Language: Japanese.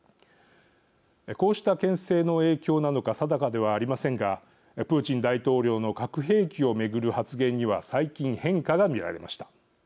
こうした、けん制の影響なのか定かではありませんがプーチン大統領の核兵器を巡る発言には最近、変化が見られました。